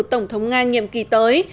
tổng thống nga nhiệm kỳ tới